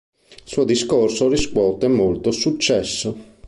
Il suo discorso riscuote molto successo.